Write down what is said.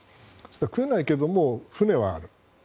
食えないけれども船はある。